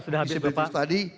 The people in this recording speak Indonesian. waktu sudah habis bapak